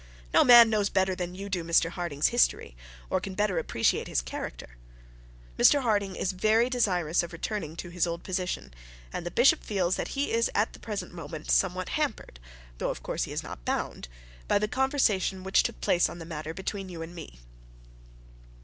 No man knows better than you do Mr Harding's history, or can better appreciate his character. Mr Harding is very desirous of returning to his old position, and the bishop feels that he is at the present moment somewhat hampered, though of course he is not bound, by the conversation which took place on the matter between you and me.'